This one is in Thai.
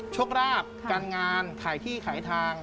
โชคราบการงานขายที่ขายทาง